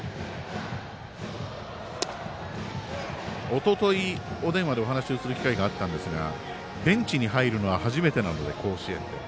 おととい、お電話をお話をする機会があったんですがベンチに入るのは初めてなので甲子園で。